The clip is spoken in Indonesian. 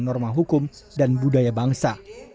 norma hukum dan budaya bangsa